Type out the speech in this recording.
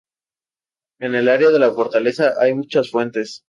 En el área de la fortaleza hay muchas fuentes.